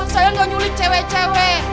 saya gak nyulik cewek cewek